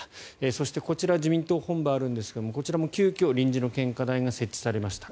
そして、こちら自民党本部があるんですがこちらも急きょ臨時の献花台が設置されました。